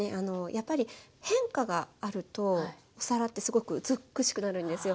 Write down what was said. やっぱり変化があるとお皿ってすごく美しくなるんですよ。